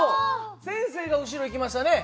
先生が後ろ行きましたね。